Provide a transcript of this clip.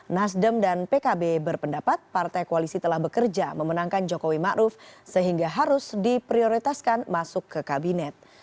nasdem dan pkb berpendapat partai koalisi telah bekerja memenangkan jokowi ⁇ maruf ⁇ sehingga harus diprioritaskan masuk ke kabinet